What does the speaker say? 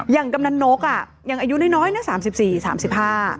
อย่างกำนันนกอะอย่างอายุน้อยเนี่ย๓๔๓๕